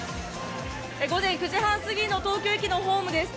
午前９時半過ぎの東京駅のホームです。